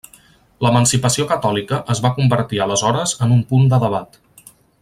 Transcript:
L'Emancipació catòlica es va convertir aleshores en un punt de debat.